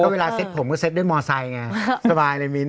เวลาเซ็ตผมก็เซ็ตด้วยมอไซคไงสบายเลยมิ้นท